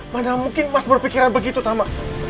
mana mungkin mas berpikiran begitu tama